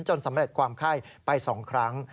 สำเร็จความไข้ไป๒ครั้ง